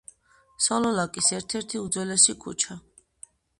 სოლოლაკის ერთ-ერთი უძველესი ქუჩა.